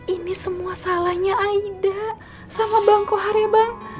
ini semua salahnya aida sama bang kohar ya bang